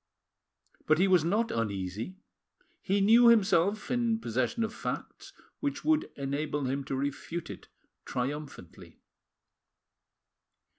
But he was not uneasy; he knew himself in possession of facts which would enable him to refute it triumphantly.